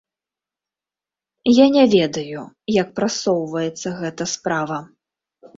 Я не ведаю, як прасоўваецца гэта справа.